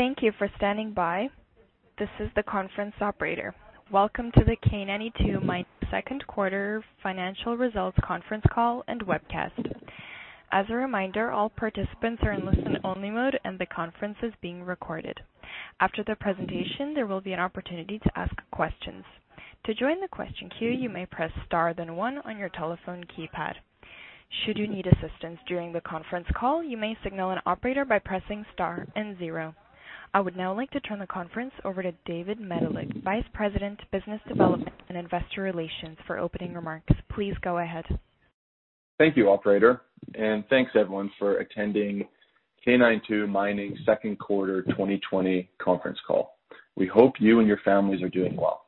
Thank you for standing by. This is the conference operator. Welcome to the K92 Mining second quarter financial results conference call and webcast. As a reminder, all participants are in listen-only mode, and the conference is being recorded. After the presentation, there will be an opportunity to ask questions. To join the question queue, you may press star then one on your telephone keypad. Should you need assistance during the conference call, you may signal an operator by pressing star and zero. I would now like to turn the conference over to David Medilek, Vice President, Business Development and Investor Relations, for opening remarks. Please go ahead. Thank you, operator. Thanks everyone for attending K92 Mining second quarter 2020 conference call. We hope you and your families are doing well.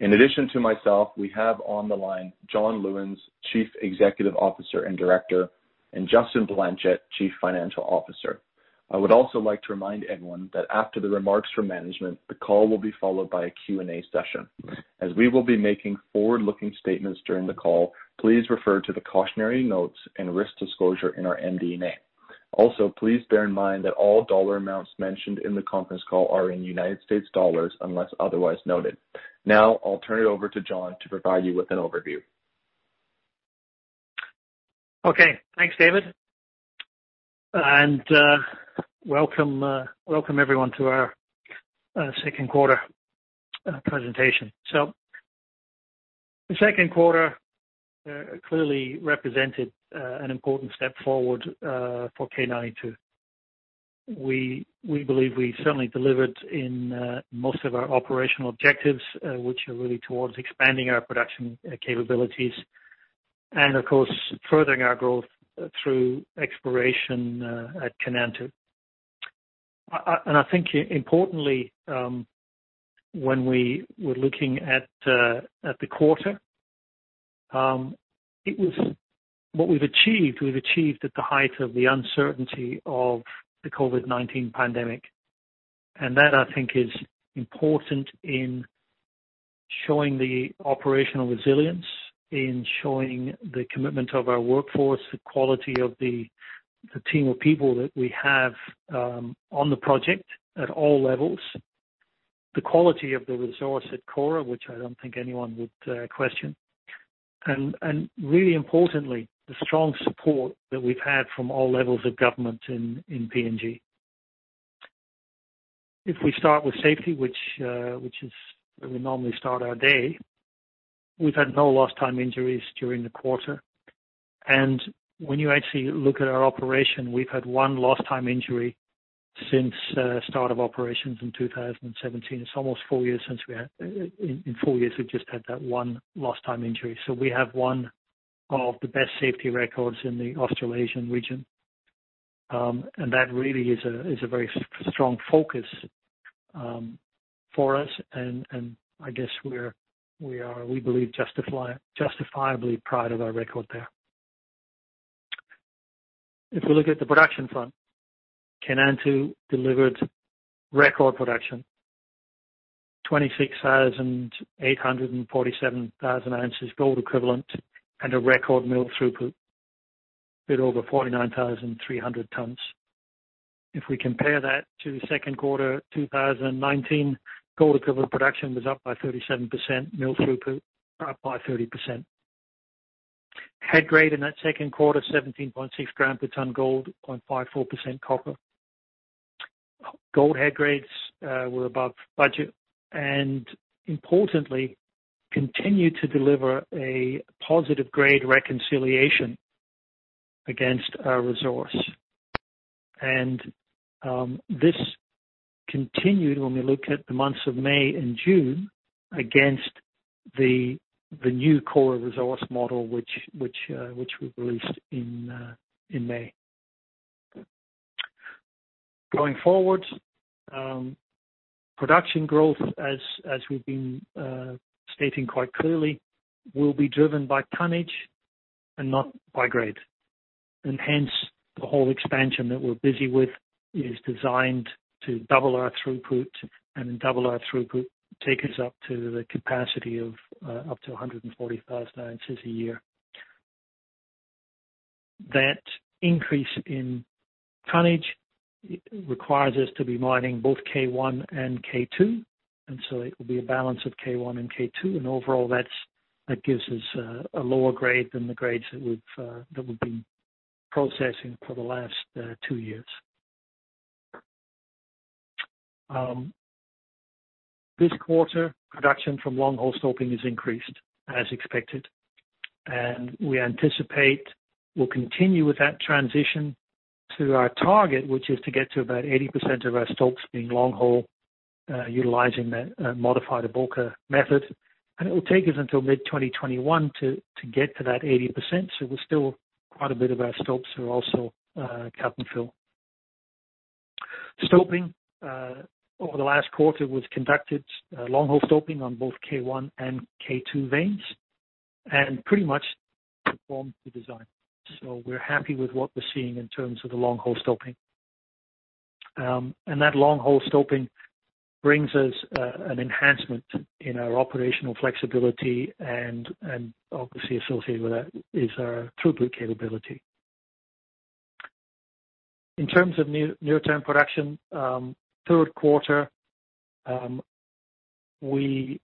In addition to myself, we have on the line, John Lewins, Chief Executive Officer and Director, and Justin Blanchet, Chief Financial Officer. I would also like to remind everyone that after the remarks from management, the call will be followed by a Q&A session. As we will be making forward-looking statements during the call, please refer to the cautionary notes and risk disclosure in our MD&A. Please bear in mind that all dollar amounts mentioned in the conference call are in United States dollars, unless otherwise noted. Now, I'll turn it over to John to provide you with an overview. Okay. Thanks, David. Welcome everyone to our second quarter presentation. The second quarter clearly represented an important step forward for K92. We believe we certainly delivered in most of our operational objectives, which are really towards expanding our production capabilities and, of course, furthering our growth through exploration at Kainantu. I think importantly, when we were looking at the quarter, what we've achieved, we've achieved at the height of the uncertainty of the COVID-19 pandemic. That, I think, is important in showing the operational resilience, in showing the commitment of our workforce, the quality of the team of people that we have on the project at all levels, the quality of the resource at Kora, which I don't think anyone would question, and really importantly, the strong support that we've had from all levels of government in PNG. If we start with safety, which is where we normally start our day, we've had no lost time injuries during the quarter. When you actually look at our operation, we've had one lost time injury since start of operations in 2017. It's almost four years. In four years, we've just had that one lost-time injury. We have one of the best safety records in the Australasian region. That really is a very strong focus for us. I guess we believe justifiably proud of our record there. If we look at the production front, Kainantu delivered record production, 26,847 oz gold equivalent, and a record mill throughput, a bit over 49,300 tons. If we compare that to the second quarter 2019, gold equivalent production was up by 37%, mill throughput up by 30%. Head grade in that second quarter, 17.6 g per ton gold, 0.54% copper. Gold head grades were above budget, importantly, continued to deliver a positive grade reconciliation against our resource. This continued when we look at the months of May and June against the new Kora resource model which we released in May. Going forward, production growth, as we've been stating quite clearly, will be driven by tonnage and not by grade. Hence, the whole expansion that we're busy with is designed to double our throughput, then double our throughput take us up to the capacity of up to 140,000 oz a year. That increase in tonnage requires us to be mining both K1 and K2, and so it will be a balance of K1 and K2, and overall that gives us a lower grade than the grades that we've been processing for the last two years. This quarter, production from long-hole stoping has increased as expected, and we anticipate we'll continue with that transition to our target, which is to get to about 80% of our stopes being long-hole, utilizing the modified Avoca method, and it will take us until mid-2021 to get to that 80%. Still quite a bit of our stopes are also cut-and-fill. Stoping, over the last quarter, was conducted long-hole stoping on both K1 and K2 veins and pretty much performed to design. We're happy with what we're seeing in terms of the long-hole stoping. That long-hole stoping brings us an enhancement in our operational flexibility and obviously associated with that is our throughput capability. In terms of near-term production, third quarter, we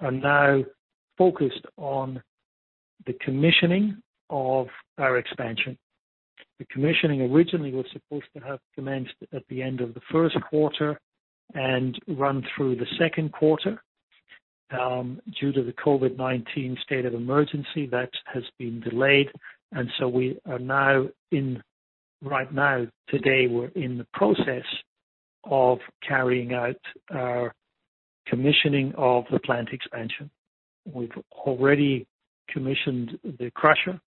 are now focused on the commissioning of our expansion. The commissioning originally was supposed to have commenced at the end of the first quarter and run through the second quarter. Due to the COVID-19 state of emergency, that has been delayed, and so right now, today, we're in the process of carrying out our commissioning of the plant expansion. We've already commissioned the crusher.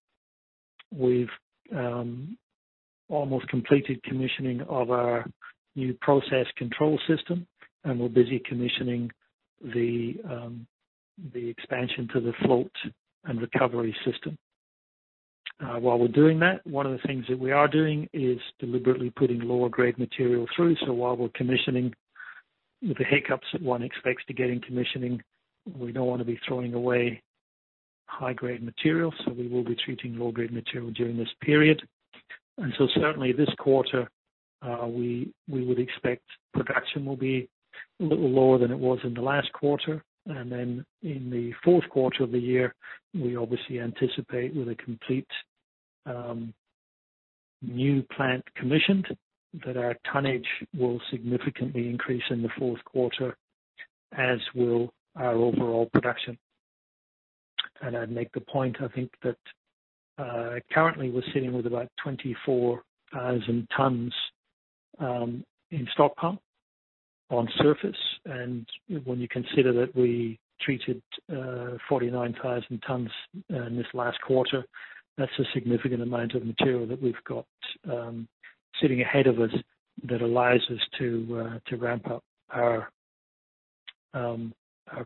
We've almost completed commissioning of our new process control system, and we're busy commissioning the expansion to the float and recovery system. While we're doing that, one of the things that we are doing is deliberately putting lower-grade material through. While we're commissioning with the hiccups that one expects to get in commissioning, we don't want to be throwing away high-grade material, so we will be treating low-grade material during this period. Certainly this quarter, we would expect production will be a little lower than it was in the last quarter. Then in the fourth quarter of the year, we obviously anticipate with a complete new plant commissioned, that our tonnage will significantly increase in the fourth quarter, as will our overall production. I'd make the point, I think that, currently we're sitting with about 24,000 tons in stockpile on surface. When you consider that we treated 49,000 tons in this last quarter, that's a significant amount of material that we've got sitting ahead of us that allows us to ramp up our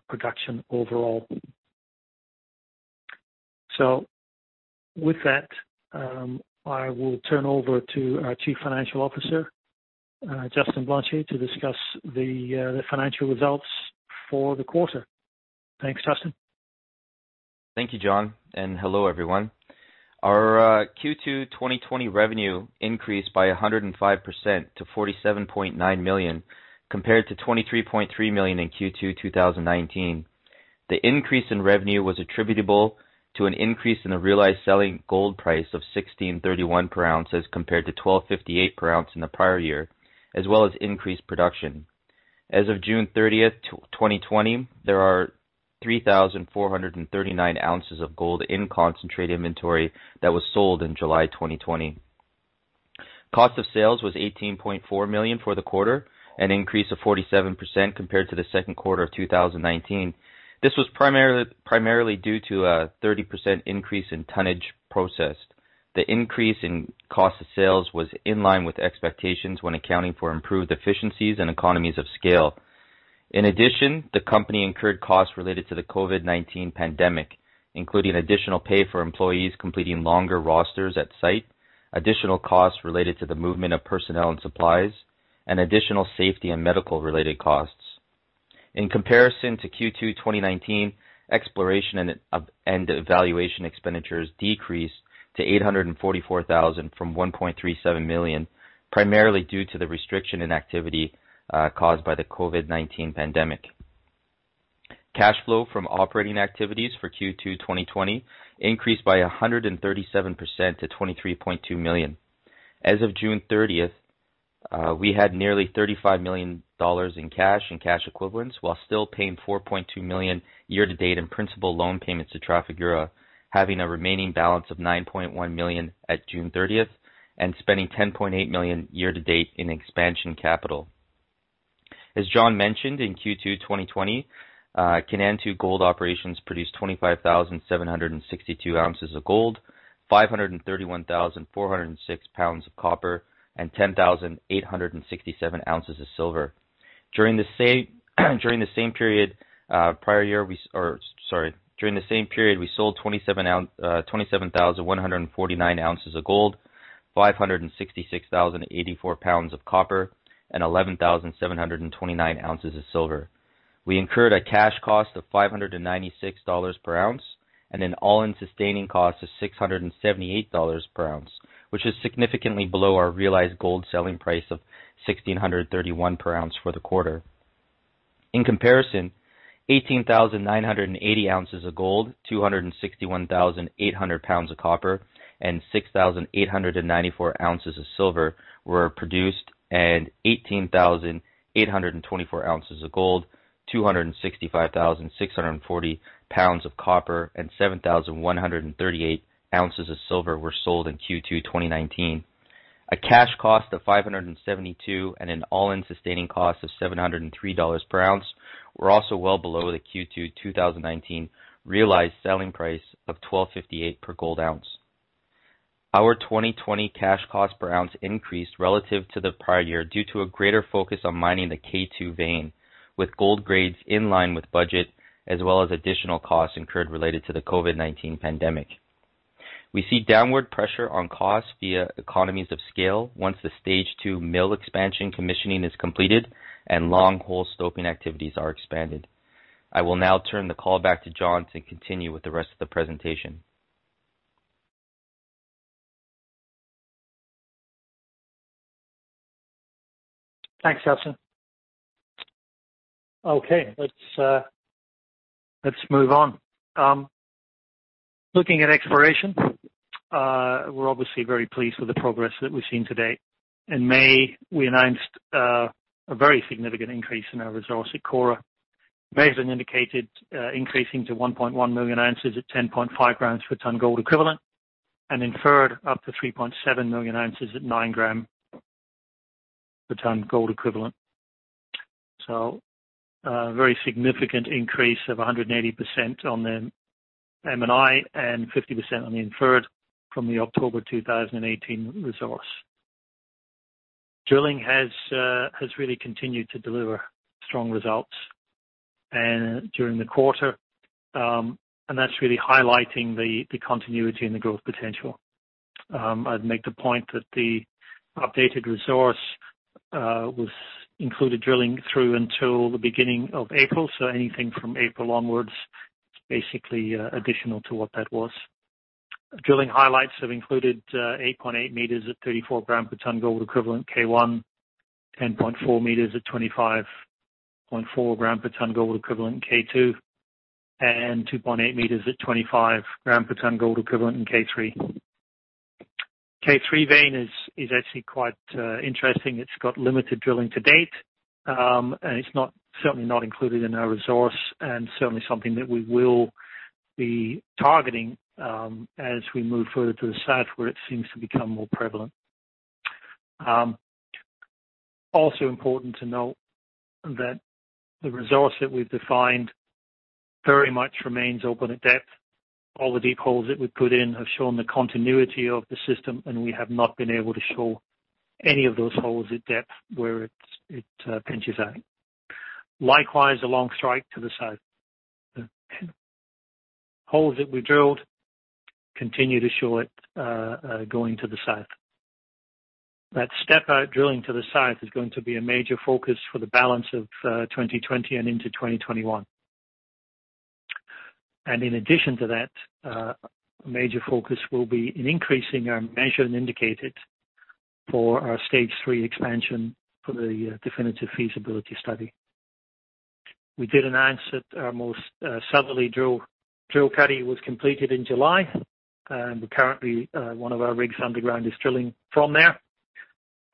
production overall. With that, I will turn over to our Chief Financial Officer, Justin Blanchet, to discuss the financial results for the quarter. Thanks, Justin. Thank you, John, and hello everyone. Our Q2 2020 revenue increased by 105% to $47.9 million, compared to $23.3 million in Q2 2019. The increase in revenue was attributable to an increase in the realized selling gold price of $1,631 per ounce as compared to $1,258 per ounce in the prior year, as well as increased production. As of June 30th, 2020, there are 3,439 oz of gold in concentrate inventory that was sold in July 2020. Cost of sales was $18.4 million for the quarter, an increase of 47% compared to the second quarter of 2019. This was primarily due to a 30% increase in tonnage processed. The increase in cost of sales was in line with expectations when accounting for improved efficiencies and economies of scale. In addition, the company incurred costs related to the COVID-19 pandemic, including additional pay for employees completing longer rosters at site, additional costs related to the movement of personnel and supplies, and additional safety and medical related costs. In comparison to Q2 2019, exploration and evaluation expenditures decreased to $844,000 from $1.37 million, primarily due to the restriction in activity caused by the COVID-19 pandemic. Cash flow from operating activities for Q2 2020 increased by 137% to $23.2 million. As of June 30th, we had nearly $35 million in cash and cash equivalents, while still paying $4.2 million year to date in principal loan payments to Trafigura, having a remaining balance of $9.1 million at June 30th and spending $10.8 million year to date in expansion capital. As John mentioned, in Q2 2020, Kainantu Gold operations produced 25,762 oz of gold, 531,406 lbs of copper, and 10,867 oz of silver. During the same period we sold 27,149 oz of gold, 566,084 lbs of copper, and 11,729 oz of silver. We incurred a cash cost of $596 per ounce and an all-in sustaining cost of $678 per ounce, which is significantly below our realized gold selling price of $1,631 per ounce for the quarter. In comparison, 18,980 oz of gold, 261,800 lbs of copper, and 6,894 oz of silver were produced, and 18,824 oz of gold, 265,640 lbs of copper, and 7,138 oz of silver were sold in Q2 2019. A cash cost of $572 and an all-in sustaining cost of $703 per ounce were also well below the Q2 2019 realized selling price of $1,258 per gold ounce. Our 2020 cash cost per ounce increased relative to the prior year due to a greater focus on mining the K2 vein with gold grades in line with budget, as well as additional costs incurred related to the COVID-19 pandemic. We see downward pressure on costs via economies of scale once the Stage 2 mill expansion commissioning is completed and long-hole stoping activities are expanded. I will now turn the call back to John to continue with the rest of the presentation. Thanks, Justin. Let's move on. Looking at exploration, we're obviously very pleased with the progress that we've seen to date. In May, we announced a very significant increase in our resource at Kora. Measured and indicated, increasing to 1.1 million ounces at 10.5 g per tonne gold equivalent, and inferred up to 3.7 million ounces at 9 g per tonne gold equivalent. A very significant increase of 180% on the M&I and 50% on the inferred from the October 2018 resource. Drilling has really continued to deliver strong results during the quarter, and that's really highlighting the continuity and the growth potential. I'd make the point that the updated resource included drilling through until the beginning of April. Anything from April onwards is basically additional to what that was. Drilling highlights have included 8.8 m at 34 g per tonne gold equivalent K1, 10.4 m at 25.4 g per tonne gold equivalent in K2, and 2.8 m at 25 g per tonne gold equivalent in K3. K3 vein is actually quite interesting. It's got limited drilling to date, and it's certainly not included in our resource and certainly something that we will be targeting as we move further to the south where it seems to become more prevalent. Also important to note that the resource that we've defined very much remains open at depth. All the deep holes that we've put in have shown the continuity of the system, and we have not been able to show any of those holes at depth where it pinches out. Likewise, along strike to the south. The holes that we drilled continue to show it going to the south. That step-out drilling to the south is going to be a major focus for the balance of 2020 and into 2021. In addition to that, a major focus will be in increasing our measured and indicated for our Stage 3 Expansion for the definitive feasibility study. We did announce that our most southerly drill cuddy was completed in July, and currently, one of our rigs underground is drilling from there.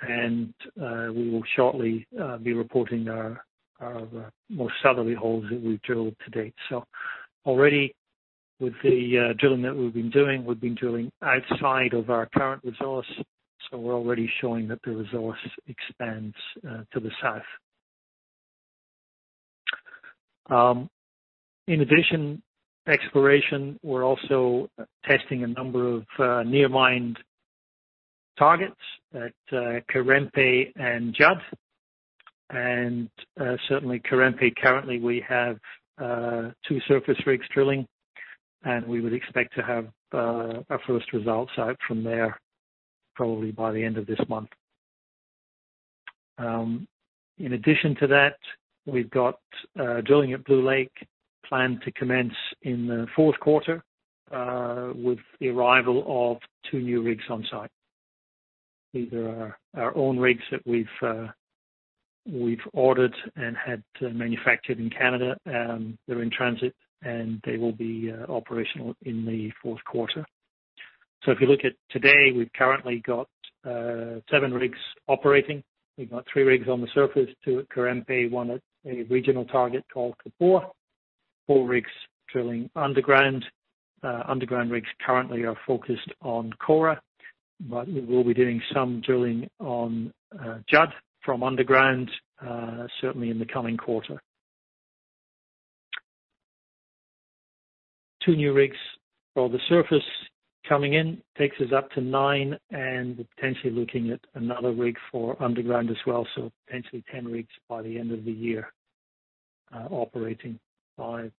We will shortly be reporting our most southerly holes that we've drilled to date. Already with the drilling that we've been doing, we've been drilling outside of our current resource. We're already showing that the resource expands to the south. In addition to exploration, we're also testing a number of near mine targets at Karempe and Judd. Certainly Karempe, currently, we have two surface rigs drilling, and we would expect to have our first results out from there probably by the end of this month. In addition to that, we've got drilling at Blue Lake planned to commence in the fourth quarter, with the arrival of two new rigs on-site. These are our own rigs that we've ordered and had manufactured in Canada. They're in transit, and they will be operational in the fourth quarter. If you look at today, we've currently got seven rigs operating. We've got three rigs on the surface, two at Karempe, one at a regional target called Kapore, four rigs drilling underground. Underground rigs currently are focused on Kora, but we will be doing some drilling on Judd from underground, certainly in the coming quarter. Two new rigs for the surface coming in takes us up to nine and potentially looking at another rig for underground as well. Potentially 10 rigs by the end of the year, operating five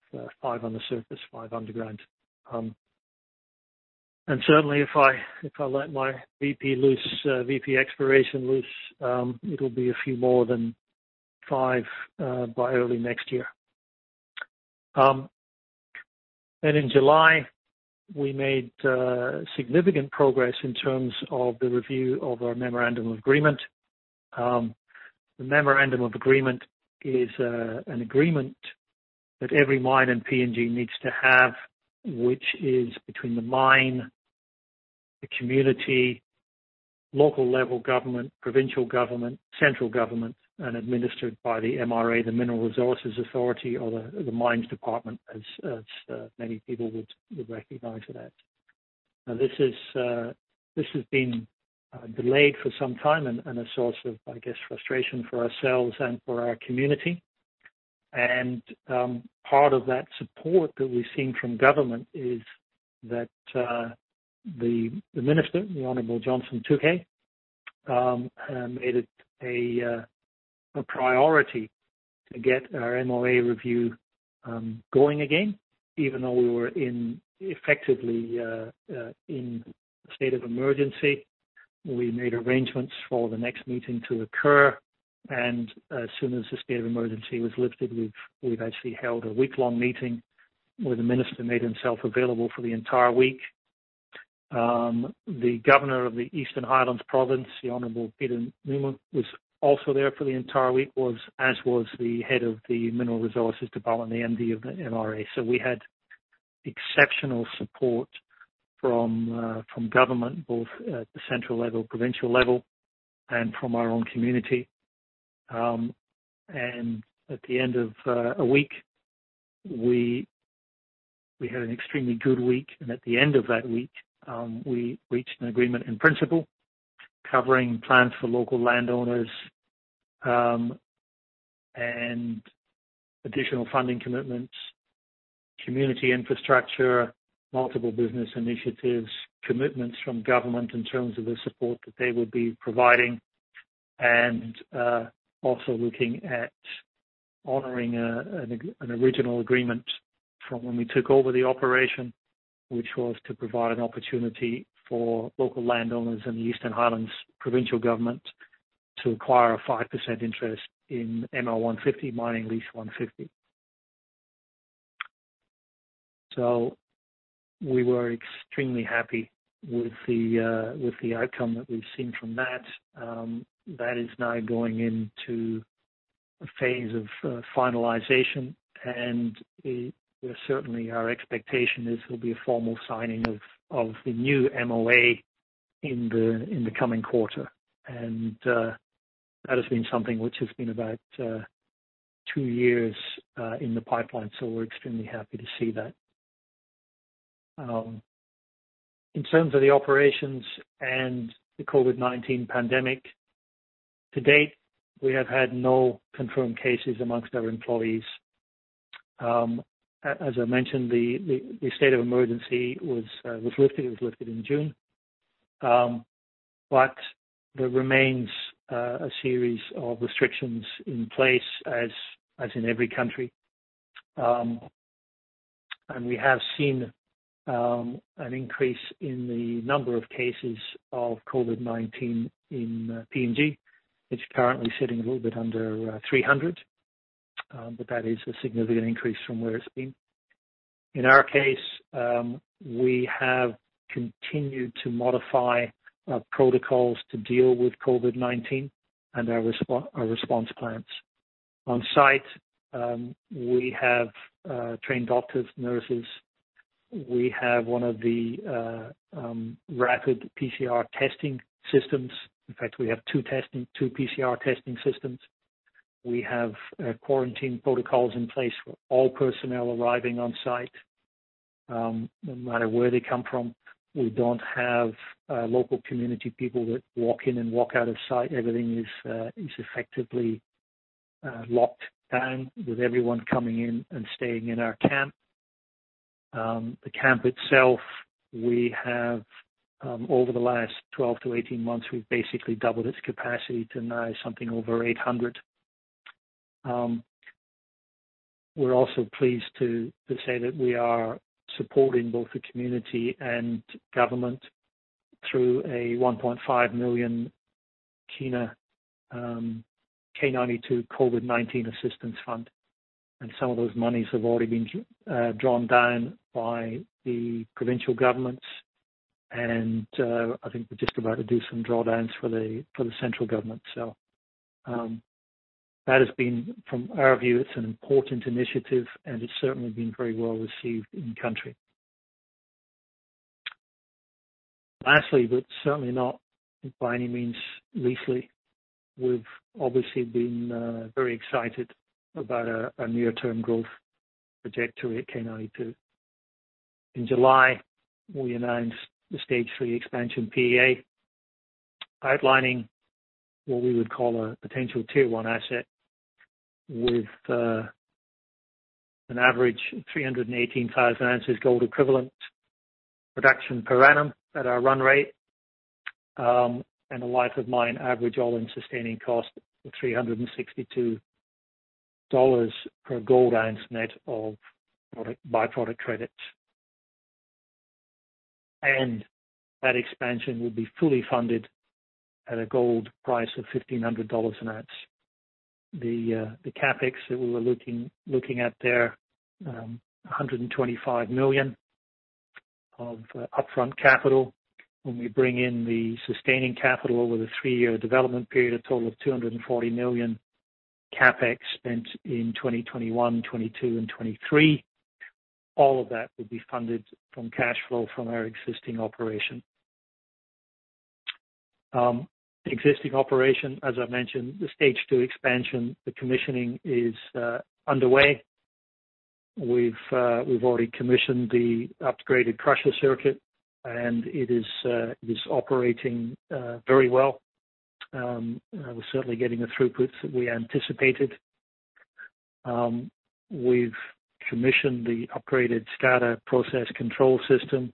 on the surface, five underground. Certainly, if I let my VP exploration loose, it'll be a few more than five by early next year. In July, we made significant progress in terms of the review of our memorandum of agreement. The memorandum of agreement is an agreement that every mine in PNG needs to have, which is between the mine, the community, local level government, provincial government, central government, and administered by the MRA, the Mineral Resources Authority or the mines department, as many people would recognize that. This has been delayed for some time and a source of, I guess, frustration for ourselves and for our community. Part of that support that we're seeing from government is that the minister, the Honorable Johnson Tuke made it a priority to get our MOA review going again, even though we were effectively in a state of emergency. We made arrangements for the next meeting to occur, and as soon as the state of emergency was lifted, we've actually held a week-long meeting where the minister made himself available for the entire week. The governor of the Eastern Highlands Province, the Honorable Peter Numu, was also there for the entire week, as was the Head of the Mineral Resources Authority, the MD of the MRA. We had exceptional support from government, both at the central level, provincial level, and from our own community. At the end of a week, we had an extremely good week, and at the end of that week, we reached an agreement in principle covering plans for local landowners, and additional funding commitments, community infrastructure, multiple business initiatives, commitments from government in terms of the support that they would be providing, and also looking at honoring an original agreement from when we took over the operation, which was to provide an opportunity for local landowners in the Eastern Highlands provincial government to acquire a 5% interest in ML 150, Mining Lease 150. We were extremely happy with the outcome that we've seen from that. That is now going into a phase of finalization, and certainly our expectation is there'll be a formal signing of the new MOA in the coming quarter. That has been something which has been about two years in the pipeline, so we're extremely happy to see that. In terms of the operations and the COVID-19 pandemic, to date, we have had no confirmed cases amongst our employees. As I mentioned, the state of emergency was lifted. It was lifted in June. There remains a series of restrictions in place as in every country. We have seen an increase in the number of cases of COVID-19 in PNG. It's currently sitting a little bit under 300, but that is a significant increase from where it's been. In our case, we have continued to modify our protocols to deal with COVID-19 and our response plans. On-site, we have trained doctors, nurses. We have one of the rapid PCR testing systems. In fact, we have two PCR testing systems. We have quarantine protocols in place for all personnel arriving on-site, no matter where they come from. We don't have local community people that walk in and walk out of site. Everything is effectively locked down with everyone coming in and staying in our camp. The camp itself, over the last 12-18 months, we've basically doubled its capacity to now something over 800. We're also pleased to say that we are supporting both the community and government through a PGK 1.5 million K92 COVID-19 assistance fund, and some of those monies have already been drawn down by the provincial governments. I think we're just about to do some drawdowns for the central government. That has been, from our view, it's an important initiative, and it's certainly been very well received in country. Lastly, but certainly not by any means leastly, we've obviously been very excited about a near-term growth trajectory at K92. In July, we announced the Stage 3 Expansion PEA outlining what we would call a potential 2:1 asset with an average of 318,000 oz gold equivalent production per annum at our run rate, and a life of mine average all-in sustaining cost of $362 per gold ounce net of by-product credits. That expansion will be fully funded at a gold price of $1,500 an ounce. The CapEx that we were looking at there, $125 million of upfront capital. When we bring in the sustaining capital over the three-year development period, a total of $240 million CapEx spent in 2021, 2022, and 2023. All of that will be funded from cash flow from our existing operation. Existing operation, as I mentioned, the Stage 2 Expansion, the commissioning is underway. We've already commissioned the upgraded crusher circuit, and it is operating very well. We're certainly getting the throughputs that we anticipated. We've commissioned the upgraded SCADA process control system,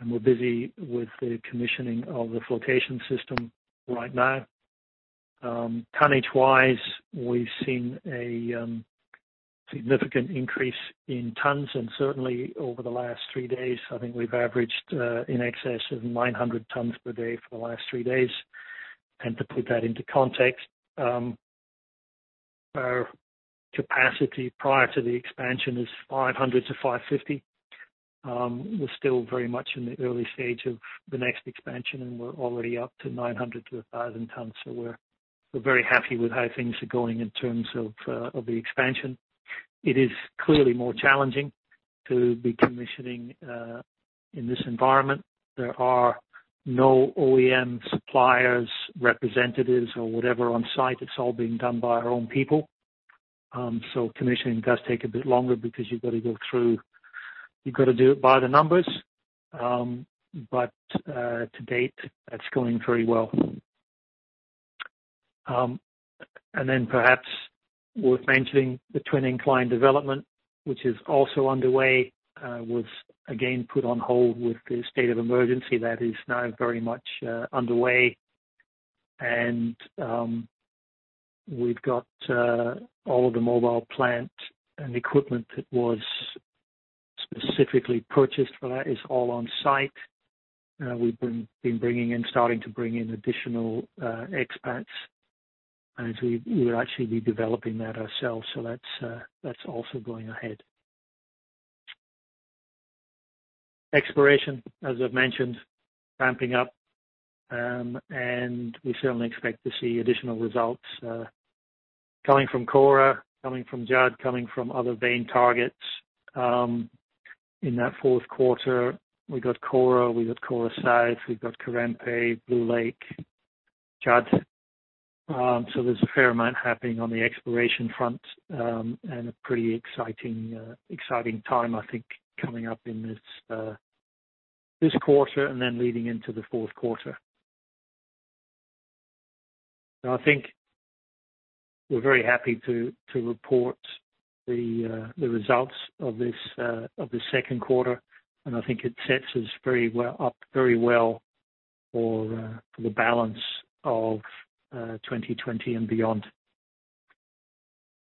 and we're busy with the commissioning of the flotation system right now. Tonnage-wise, we've seen a significant increase in tons, and certainly over the last three days, I think we've averaged in excess of 900 tons per day for the last three days. To put that into context, our capacity prior to the expansion is 500 tons-550 tons. We're still very much in the early stage of the next expansion, and we're already up to 900 tons-1,000 tons. We're very happy with how things are going in terms of the expansion. It is clearly more challenging to be commissioning in this environment. There are no OEM suppliers, representatives or whatever on site. It's all being done by our own people. Commissioning does take a bit longer because you've got to do it by the numbers. To date, that's going very well. Perhaps worth mentioning the Twin Incline development, which is also underway, was again put on hold with the state of emergency that is now very much underway. We've got all of the mobile plant and equipment that was specifically purchased for that. It's all on-site. We've been starting to bring in additional expats as we will actually be developing that ourselves. That's also going ahead. Exploration, as I've mentioned, ramping up. We certainly expect to see additional results coming from Kora, coming from Judd, coming from other vein targets. In that fourth quarter, we've got Kora, we've got Kora South, we've got Karempe, Blue Lake, Judd. There's a fair amount happening on the exploration front. A pretty exciting time, I think, coming up in this quarter and then leading into the fourth quarter. I think we're very happy to report the results of the second quarter, and I think it sets us up very well for the balance of 2020 and beyond.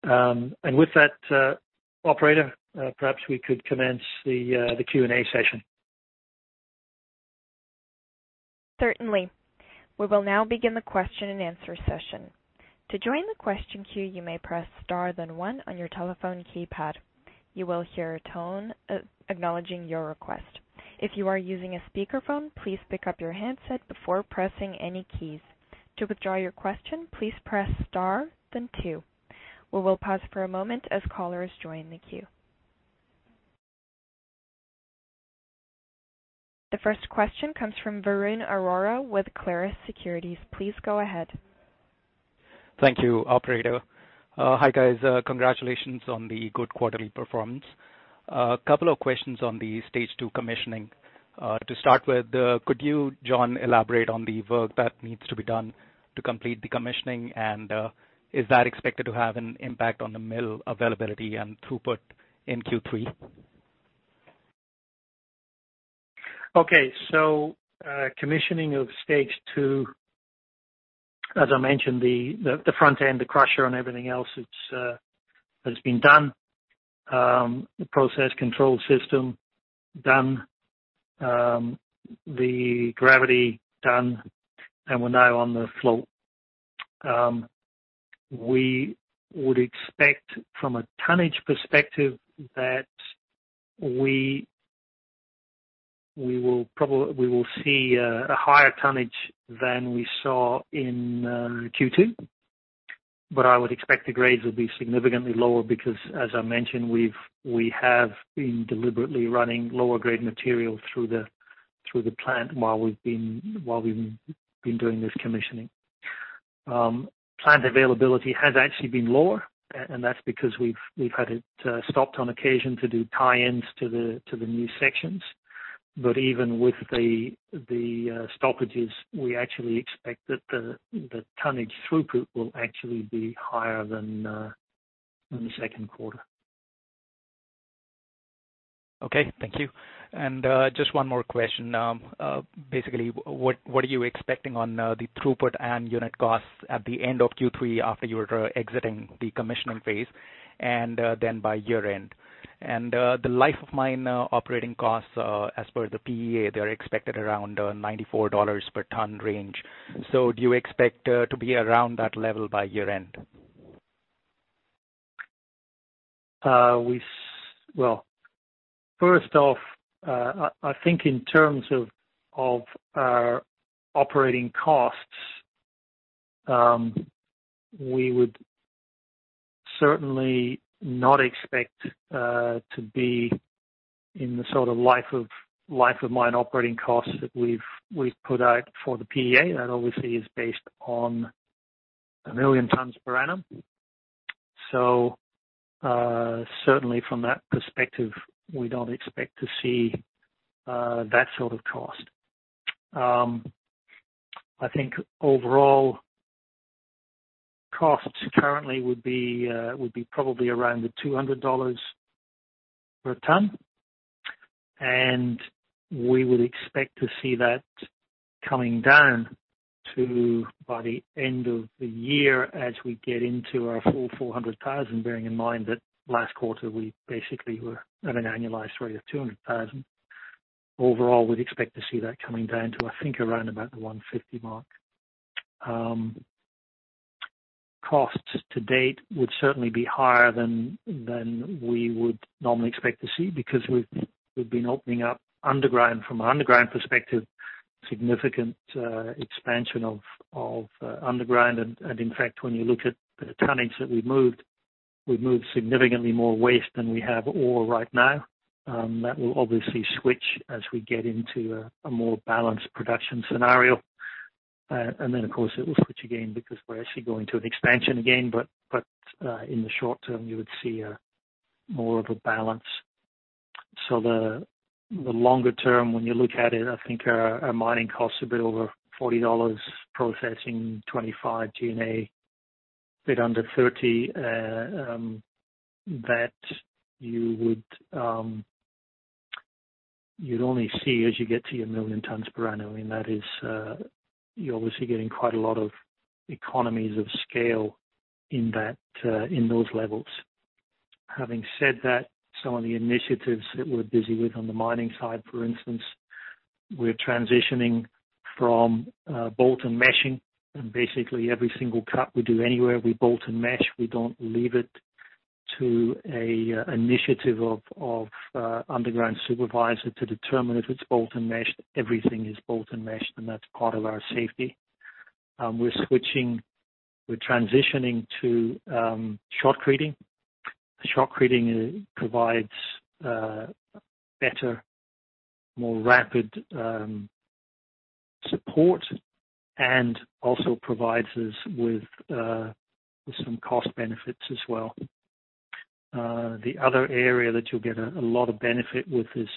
With that, operator, perhaps we could commence the Q&A session. Certainly. We will now begin the question-and-answer session. To join the question queue, you may press star then one on your telephone keypad. You will hear a tone acknowledging your request. If you are using a speaker phone, please pick up your handset before pressing any keys. To withdraw your question, please press star then two. We will pause for a moment as callers join the queue. The first question comes from Varun Arora with Clarus Securities. Please go ahead. Thank you, operator. Hi, guys. Congratulations on the good quarterly performance. A couple of questions on the Stage 2 commissioning. To start with, could you, John, elaborate on the work that needs to be done to complete the commissioning? Is that expected to have an impact on the mill availability and throughput in Q3? Okay. Commissioning of Stage 2, as I mentioned, the front end, the crusher and everything else that's been done. The process control system, done. The gravity, done. We're now on the float. We would expect from a tonnage perspective that we will see a higher tonnage than we saw in Q2. I would expect the grades will be significantly lower because, as I mentioned, we have been deliberately running lower-grade material through the plant while we've been doing this commissioning. Plant availability has actually been lower. That's because we've had it stopped on occasion to do tie-ins to the new sections. Even with the stoppages, we actually expect that the tonnage throughput will actually be higher than the second quarter. Okay. Thank you. Just one more question. Basically, what are you expecting on the throughput and unit costs at the end of Q3 after you're exiting the commissioning phase and then by year-end? The life of mine operating costs, as per the PEA, they're expected around $94 per ton range. Do you expect to be around that level by year-end? Well, first off, I think in terms of our operating costs, we would certainly not expect to be in the sort of life of mine operating costs that we've put out for the PEA. That obviously is based on 1 million tons per annum. Certainly from that perspective, we don't expect to see that sort of cost. I think overall costs currently would be probably around the $200 per ton. We would expect to see that coming down, too, by the end of the year as we get into our full 400,000 tons, bearing in mind that last quarter we basically were at an annualized rate of 200,000 tons. Overall, we'd expect to see that coming down to, I think, around about the $150 mark. Costs to date would certainly be higher than we would normally expect to see because we've been opening up underground. From an underground perspective, significant expansion of underground and in fact, when you look at the tonnage that we've moved, we've moved significantly more waste than we have ore right now. That will obviously switch as we get into a more balanced production scenario. Of course, it will switch again because we're actually going to an expansion again. In the short term, you would see more of a balance. The longer term, when you look at it, I think our mining costs a bit over $40, processing $25, G&A a bit under $30. That you'd only see as you get to your million tons per annum, and that is, you're obviously getting quite a lot of economies of scale in those levels. Some of the initiatives that we're busy with on the mining side, for instance, we're transitioning from bolting and meshing, and basically every single cut we do anywhere, we bolt and mesh. We don't leave it to a initiative of underground supervisor to determine if it's bolt and meshed. Everything is bolt and meshed, and that's part of our safety. We're transitioning to shotcreting. Shotcreting provides better, more rapid support and also provides us with some cost benefits as well. The other area that you'll get a lot of benefit with this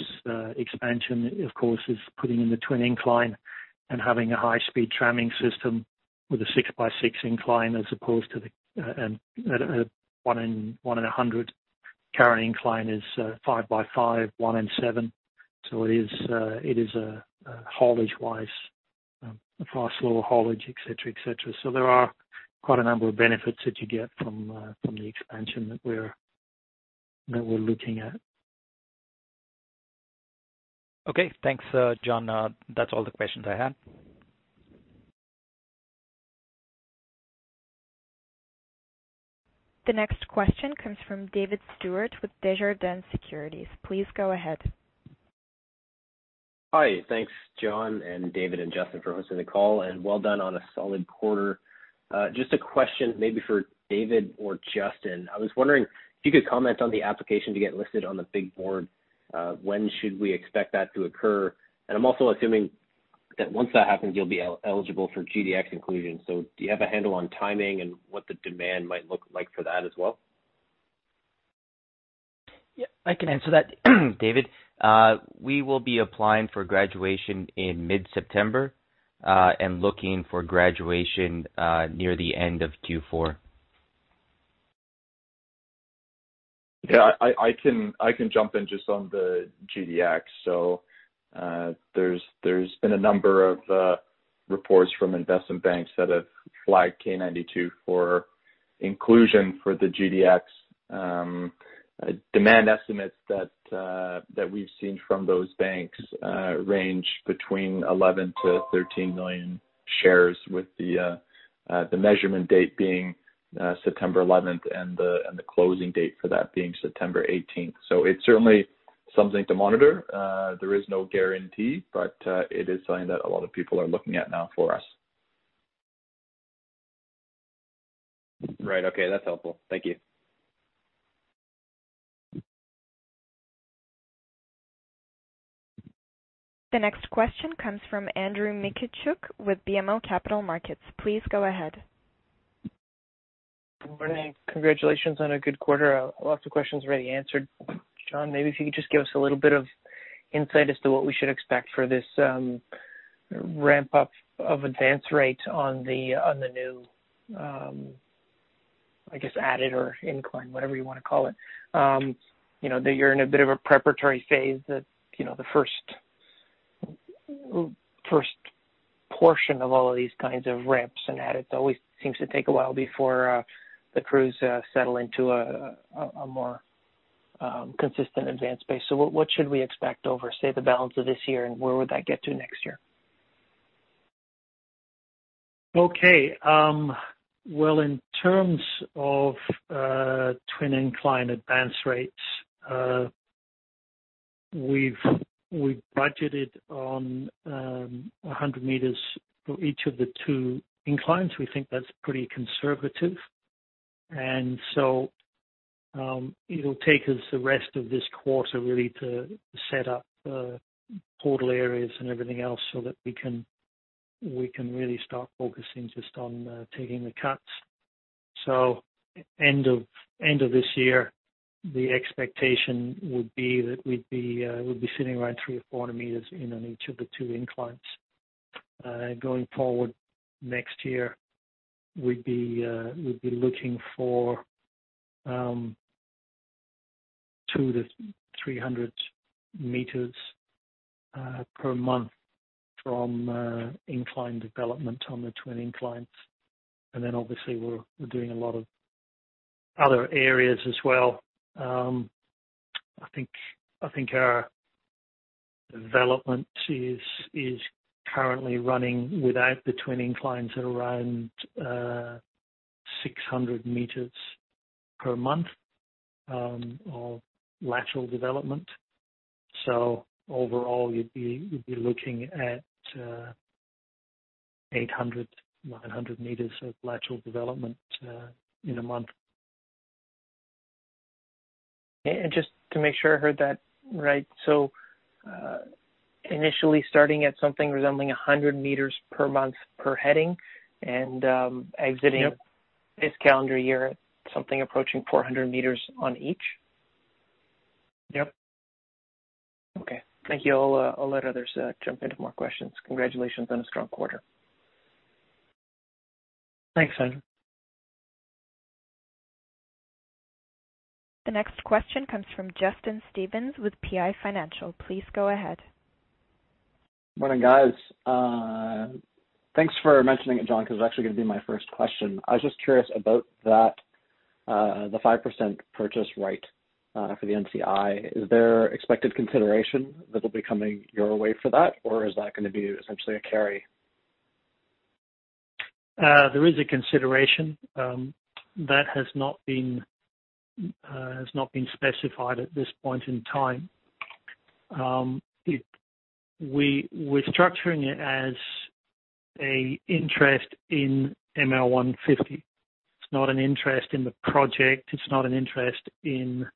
expansion, of course, is putting in the Twin Incline and having a high-speed tramming system with a 6 m by 6 m incline as opposed to the 1:100. Current incline is 5 m by 5 m, 1:7. It is, haulage-wise, far slower haulage, et cetera. There are quite a number of benefits that you get from the expansion that we're looking at. Okay. Thanks, John. That's all the questions I had. The next question comes from David Stewart with Desjardins Securities. Please go ahead. Hi. Thanks, John and David and Justin for hosting the call, and well done on a solid quarter. Just a question maybe for David or Justin. I was wondering if you could comment on the application to get listed on the big board. When should we expect that to occur? I'm also assuming that once that happens, you'll be eligible for GDX inclusion. Do you have a handle on timing and what the demand might look like for that as well? Yeah, I can answer that, David. We will be applying for graduation in mid-September, and looking for graduation, near the end of Q4. Yeah, I can jump in just on the GDX. There's been a number of reports from investment banks that have flagged K92 for inclusion for the GDX. Demand estimates that we've seen from those banks range between 11 million-13 million shares, with the measurement date being September 11th and the closing date for that being September 18th. It's certainly something to monitor. There is no guarantee, but it is something that a lot of people are looking at now for us. Right. Okay. That's helpful. Thank you. The next question comes from Andrew Mikitchook with BMO Capital Markets. Please go ahead. Good morning. Congratulations on a good quarter. Lots of questions already answered. John, maybe if you could just give us a little bit of insight as to what we should expect for this ramp up of advance rate on the new, I guess, adit or incline, whatever you want to call it. You're in a bit of a preparatory phase that the first portion of all of these kinds of ramps and adds, it always seems to take a while before the crews settle into a more consistent advanced pace. What should we expect over, say, the balance of this year, and where would that get to next year? Okay. Well, in terms of Twin Incline advance rates, we've budgeted on 100 m for each of the two inclines. We think that's pretty conservative. It'll take us the rest of this quarter really to set up portal areas and everything else so that we can really start focusing just on taking the cuts. End of this year, the expectation would be that we'd be sitting around 300 m or 4 m in on each of the two inclines. Going forward next year, we'd be looking for 200 m-300 m per month from incline development on the Twin Inclines. Obviously we're doing a lot of other areas as well. I think our development is currently running without the Twin Inclines at around 600 m per month of lateral development. Overall you'd be looking at 800 m-900 m of lateral development in a month. Just to make sure I heard that right. Initially starting at something resembling 100 m per month per heading. Yep Exiting this calendar year at something approaching 400 m on each? Yep. Okay. Thank you. I'll let others jump into more questions. Congratulations on a strong quarter. Thanks, Andrew. The next question comes from Justin Stevens with PI Financial. Please go ahead. Morning, guys. Thanks for mentioning it, John, because it's actually going to be my first question. I was just curious about that, the 5% purchase right, for the NCI. Is there expected consideration that'll be coming your way for that, or is that going to be essentially a carry? There is a consideration that has not been specified at this point in time. We're structuring it as an interest in ML 150. It's not an interest in the project. It's not an interest in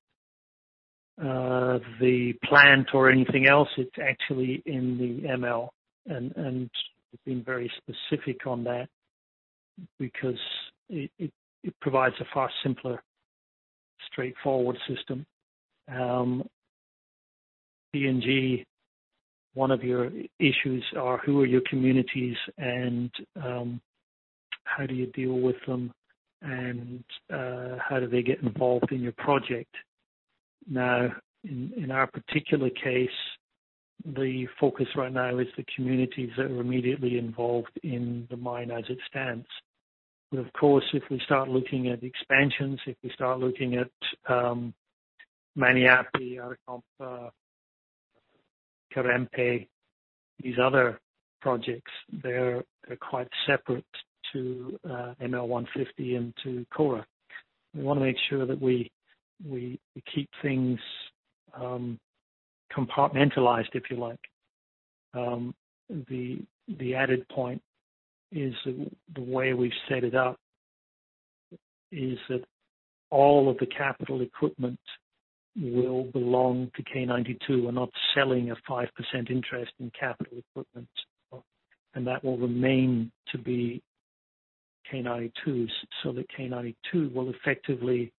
the plant or anything else. It's actually in the ML. We've been very specific on that because it provides a far simpler, straightforward system. PNG, one of your issues are who are your communities and how do you deal with them and how do they get involved in your project. In our particular case, the focus right now is the communities that are immediately involved in the mine as it stands. Of course, if we start looking at expansions, if we start looking at Maniape, Arakompa, Karempe, these other projects, they're quite separate to ML 150 and to Kora. We want to make sure that we keep things compartmentalized, if you like. The added point is the way we've set it up is that all of the capital equipment will belong to K92. We're not selling a 5% interest in capital equipment. That will remain to be K92's, so that K92 will effectively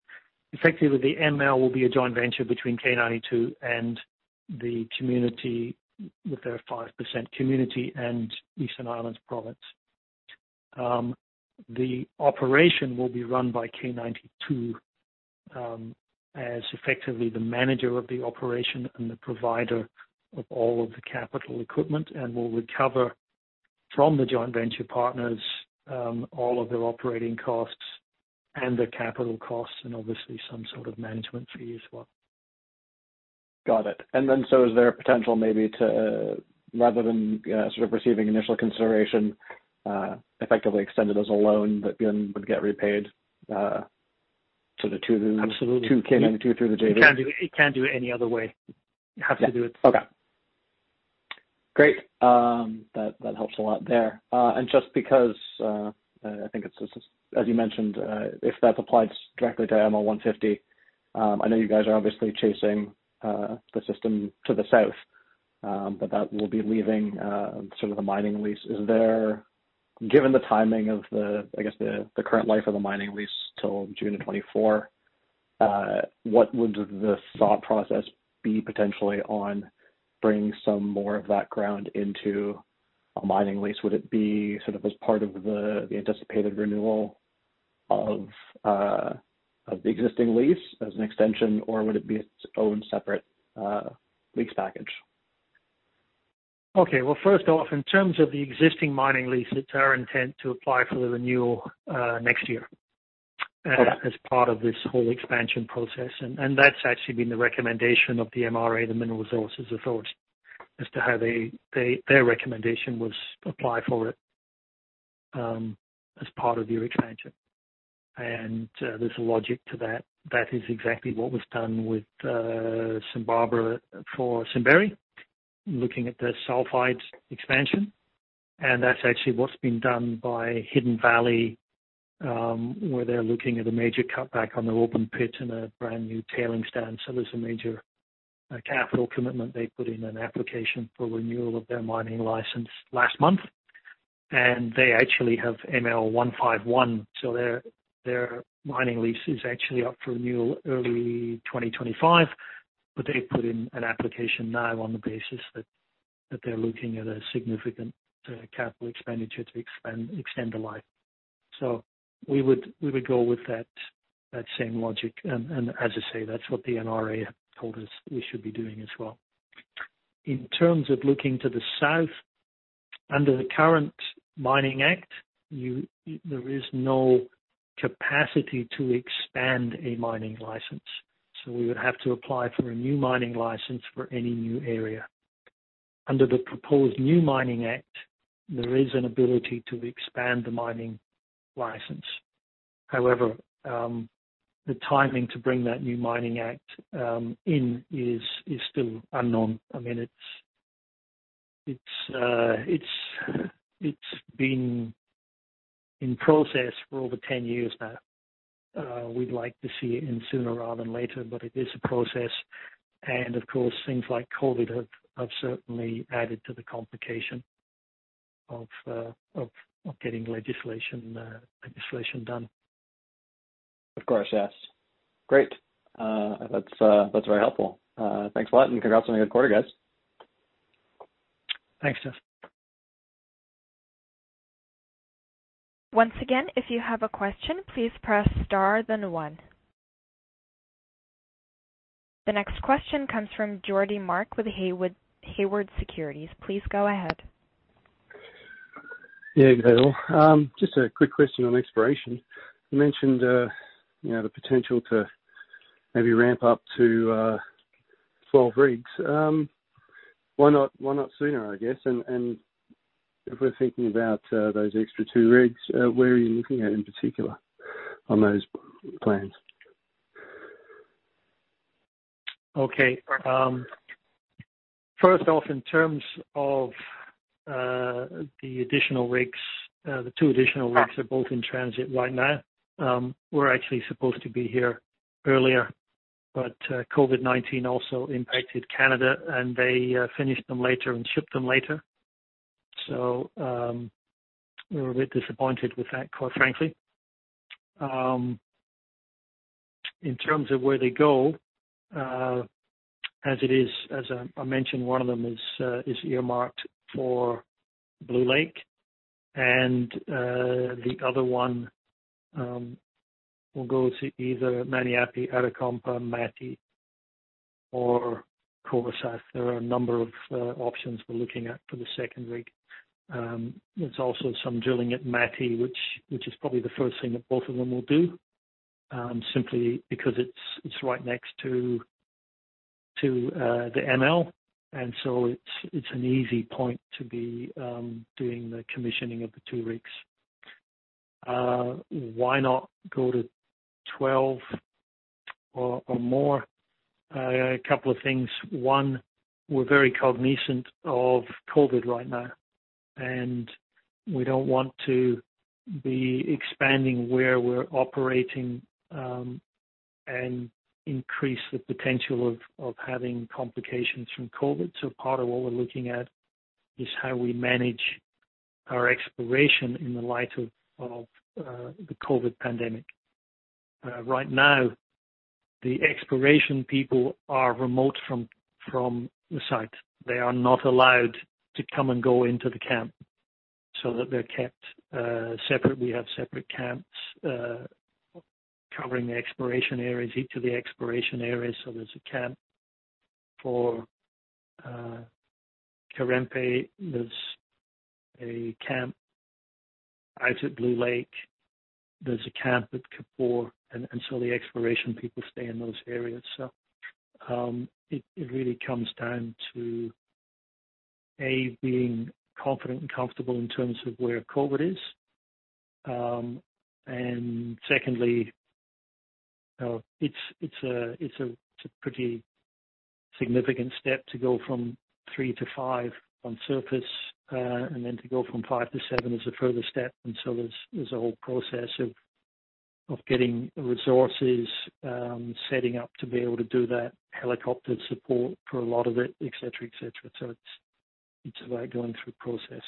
the ML will be a joint venture between K92 and the community with their 5% community and Eastern Highlands province. The operation will be run by K92, as effectively the manager of the operation and the provider of all of the capital equipment and will recover from the joint venture partners all of their operating costs and their capital costs, and obviously some sort of management fee as well. Got it. Is there a potential maybe to, rather than sort of receiving initial consideration, effectively extend it as a loan that then would get repaid to the two K92 through the JV? Absolutely You can't do it any other way. You have to do it. Okay. Great. That helps a lot there. Just because, as you mentioned, if that's applied directly to ML 150, I know you guys are obviously chasing the system to the south. That will be leaving sort of the mining lease. Given the timing of the current life of the mining lease till June of 2024, what would the thought process be potentially on bringing some more of that ground into a mining lease? Would it be sort of as part of the anticipated renewal of the existing lease as an extension, or would it be its own separate lease package? Okay. Well, first off, in terms of the existing mining lease, it's our intent to apply for the renewal next year. Okay As part of this whole expansion process. That's actually been the recommendation of the MRA, the Mineral Resources Authority, as to how their recommendation was apply for it as part of your expansion. There's a logic to that. That is exactly what was done with St Barbara for Simberi, looking at the sulphides expansion. That's actually what's been done by Hidden Valley, where they're looking at a major cutback on their open pit and a brand-new tailing stand. There's a major capital commitment. They put in an application for renewal of their mining license last month, and they actually have ML151. Their mining lease is actually up for renewal early 2025, but they put in an application now on the basis that they're looking at a significant capital expenditure to extend the life. We would go with that same logic. As I say, that's what the MRA told us we should be doing as well. In terms of looking to the south, under the current Mining Act, there is no capacity to expand a mining license, so we would have to apply for a new mining license for any new area. Under the proposed new Mining Act, there is an ability to expand the mining license. However, the timing to bring that new Mining Act in is still unknown. It's been in process for over 10 years now. We'd like to see it in sooner rather than later, but it is a process, and of course, things like COVID-19 have certainly added to the complication of getting legislation done. Of course. Yes. Great. That's very helpful. Thanks a lot. Congrats on a good quarter, guys. Thanks, Jus. Once again, if you have a question, please press star then one. The next question comes from Geordie Mark with Haywood Securities. Please go ahead. Yeah. Good day, all. Just a quick question on exploration. You mentioned the potential to maybe ramp up to 12 rigs. Why not sooner, I guess, and if we're thinking about those extra two rigs, where are you looking at in particular on those plans? First off, in terms of the additional rigs, the two additional rigs are both in transit right now. They were actually supposed to be here earlier, COVID-19 also impacted Canada, they finished them later and shipped them later. We were a bit disappointed with that, quite frankly. In terms of where they go, as I mentioned, one of them is earmarked for Blue Lake and the other one will go to either Maniape, Arakompa, Mati or [Kovasa]. There are a number of options we're looking at for the second rig. There's also some drilling at Mati, which is probably the first thing that both of them will do, simply because it's right next to the ML, it's an easy point to be doing the commissioning of the two rigs. Why not go to 12 or more? A couple of things. One, we're very cognizant of COVID right now, and we don't want to be expanding where we're operating, and increase the potential of having complications from COVID. Part of what we're looking at is how we manage our exploration in the light of the COVID pandemic. Right now, the exploration people are remote from the site. They are not allowed to come and go into the camp. That they're kept separate. We have separate camps covering the exploration areas, each of the exploration areas. There's a camp for Karempe, there's a camp out at Blue Lake, there's a camp at Kapore. The exploration people stay in those areas. It really comes down to, A, being confident and comfortable in terms of where COVID is. Secondly, it's a pretty significant step to go from three to five on surface. To go from five to seven is a further step, and so there's a whole process of getting resources, setting up to be able to do that, helicopter support for a lot of it, et cetera. It's about going through process.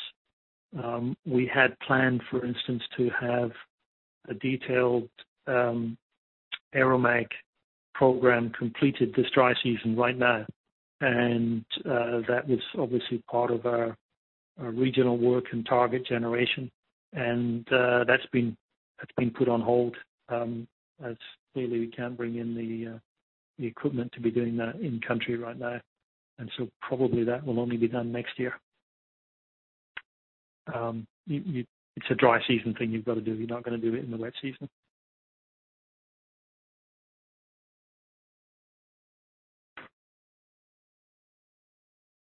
We had planned, for instance, to have a detailed aeromag program completed this dry season right now, and that was obviously part of our regional work and target generation. That's been put on hold, as clearly we can't bring in the equipment to be doing that in country right now. Probably that will only be done next year. It's a dry season thing you've got to do. You're not going to do it in the wet season.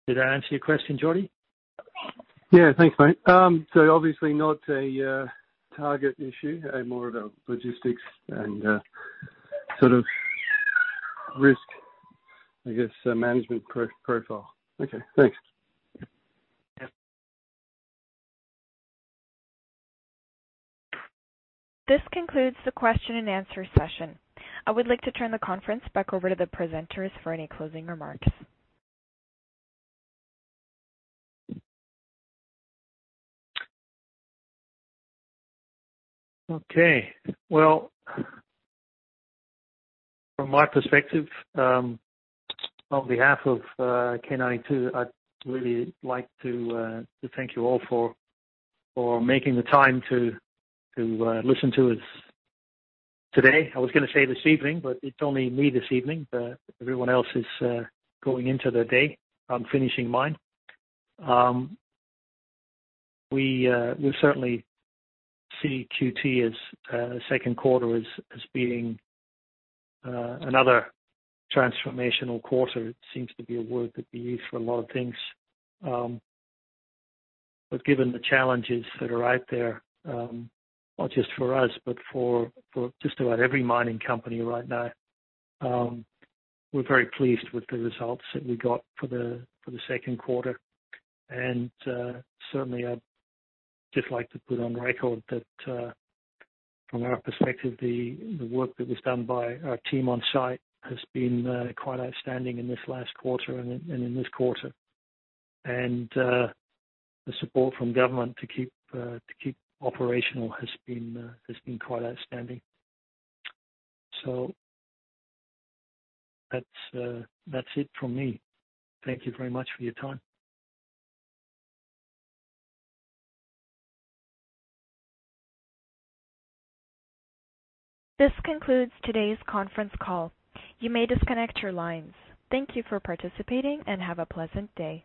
Did that answer your question, Geordie? Yeah. Thanks, mate. Obviously not a target issue. More of a logistics and sort of risk, I guess, management profile. Okay, thanks. This concludes the question-and-answer session. I would like to turn the conference back over to the presenters for any closing remarks. Okay. Well, from my perspective, on behalf of K92, I'd really like to thank you all for making the time to listen to us today. I was going to say this evening, but it's only me this evening. Everyone else is going into their day. I'm finishing mine. We certainly see Q2 as the second quarter as being another transformational quarter. It seems to be a word that we use for a lot of things. Given the challenges that are out there, not just for us, but for just about every mining company right now, we're very pleased with the results that we got for the second quarter. Certainly, I'd just like to put on record that from our perspective, the work that was done by our team on-site has been quite outstanding in this last quarter and in this quarter. The support from government to keep operational has been quite outstanding. That's it from me. Thank you very much for your time. This concludes today's conference call. You may disconnect your lines. Thank you for participating, and have a pleasant day.